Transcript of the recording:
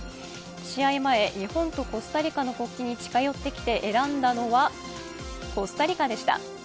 試合前、日本とコスタリカの国旗に近寄ってきて、選んだのはコスタリカでした。